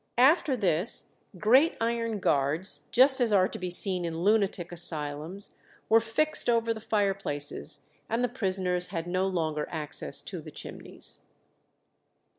After this great iron guards, just as are to be seen in lunatic asylums, were fixed over the fireplaces, and the prisoners had no longer access to the chimneys.